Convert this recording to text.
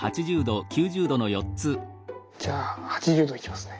じゃあ８０℃いきますね。